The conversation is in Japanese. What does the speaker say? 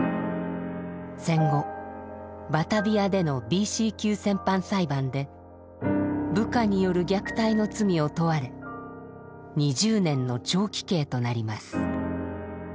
戦後バタヴィアでのＢＣ級戦犯裁判で部下による虐待の罪を問われ２０年の長期刑となります。